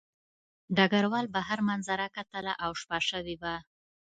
ډګروال بهر منظره کتله او شپه شوې وه